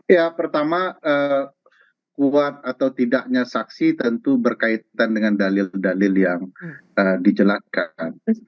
ya pertama kuat atau tidaknya saksi tentu berkaitan dengan dalil dalil yang dijelaskan